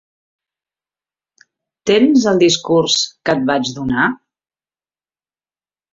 Tens el discurs que et vaig donar?